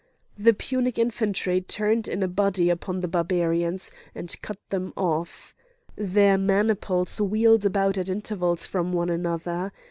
The Punic infantry turned in a body upon the Barbarians, and cut them off. Their maniples wheeled about at intervals from one another.